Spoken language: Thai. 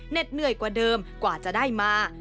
เหนื่อยกว่าเดิมกว่าจะได้มา